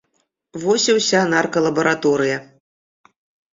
Вось і ўся наркалабараторыя.